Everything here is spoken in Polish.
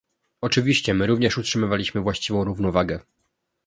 Oczywiście również my utrzymaliśmy właściwą równowagę